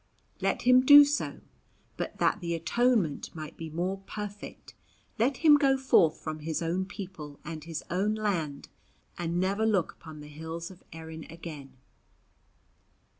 Let him do so; but that the atonement might be more perfect let him go forth from his own people and his own land, and never look upon the hills of Erin again.